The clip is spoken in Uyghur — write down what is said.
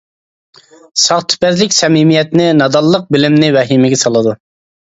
ساختىپەزلىك سەمىمىيەتنى، نادانلىق بىلىمنى ۋەھىمىگە سالىدۇ.